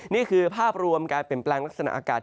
นี่คือภาพรวมการเปลี่ยนแปลงลักษณะอากาศ